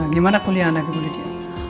gimana kuliah anaknya bu lydia